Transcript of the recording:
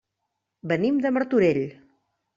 Venim de Martorell.